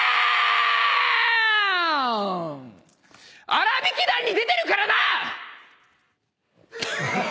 『あらびき団』に出てるからな！